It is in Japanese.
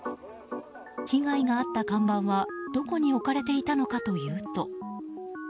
被害があった看板はどこに置かれていたのかというと。